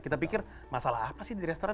kita pikir masalah apa sih di restoran